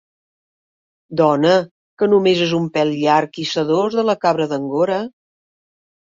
Dona, que només és un pèl llarg i sedós de la cabra d'Angora.